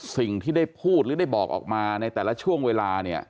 สิ่งที่ได้พูดหรือได้บอกออกมาในแต่ละช่วงเวลาเนี่ย